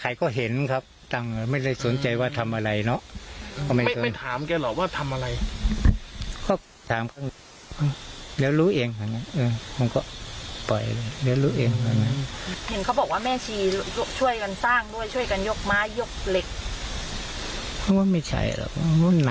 ยกเหล็กไม่ใช่รึารมมันหนักนะมืมมครูกไม้นักสามน่าอะไรนะ